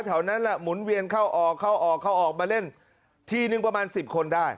แถวนั้นล่ะหมุนเวียนเข้าออกมาเล่นทีนึงประมาณสิบคนได้